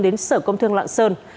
đến sở công thương lạng sơn